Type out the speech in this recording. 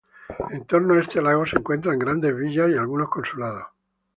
En torno a este lago se encuentran grandes villas y algunos consulados.